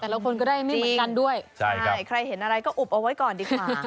คนก็ได้ไม่เหมือนกันด้วยใครเห็นอะไรก็อุบเอาไว้ก่อนดีกว่า